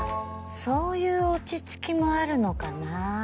そういう落ち着きもあるのかな。